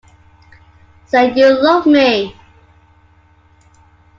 Say you love me.